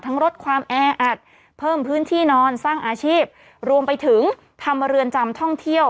ลดความแออัดเพิ่มพื้นที่นอนสร้างอาชีพรวมไปถึงทำเรือนจำท่องเที่ยว